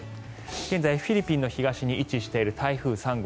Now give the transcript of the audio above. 現在フィリピンの東に位置している台風３号。